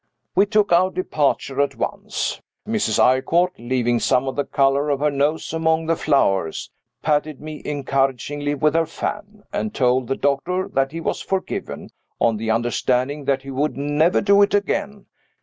We took our departure at once. Mrs. Eyrecourt (leaving some of the color of her nose among the flowers) patted me encouragingly with her fan, and told the doctor that he was forgiven, on the understanding that he would "never do it again."